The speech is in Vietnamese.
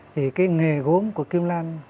thì cái nghề gốm của kim lan